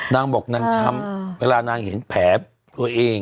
นางบอกนางช้ำเวลานางเห็นแผลตัวเอง